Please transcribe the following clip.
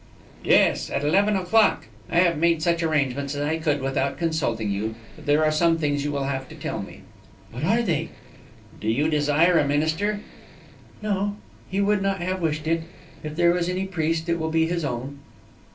"Yes at eleven o'clock. I have made such arrangements as I could without consulting you. But there are some things you will have to tell me." "What are they?" "Do you desire a minister?" "No. He would not have wished it. If there is any priest, it will be his own."